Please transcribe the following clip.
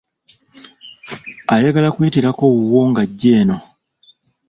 Ayagala kuyitirako wuwo ng'ajja eno.